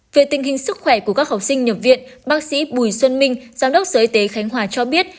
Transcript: về tình hình sức khỏe của các học sinh nhập viện bác sĩ bùi xuân minh giám đốc sở y tế khánh hòa cho biết